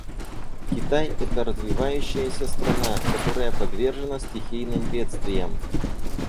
Китай — это развивающаяся страна, которая подвержена стихийным бедствиям.